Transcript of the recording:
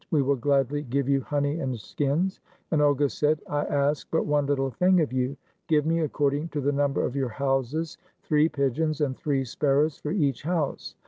We will gladly give you honey and skins." And Olga said, "I ask but one little thing of you; give me, accord ing to the number of your houses, three pigeons and three sparrows for each house.